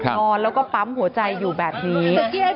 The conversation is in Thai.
นอนแล้วก็ปั๊มหัวใจอยู่แบบนี้